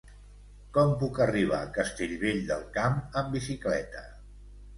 Com puc arribar a Castellvell del Camp amb bicicleta?